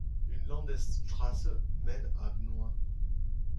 Une Landesstraße mène à Gnoien.